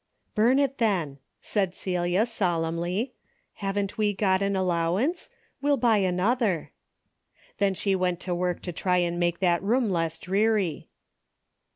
" Burn it, then," said Celia solemnly. "Haven't we got an allowance? We'll buy another." Then she went to work to try and make that room less dreary.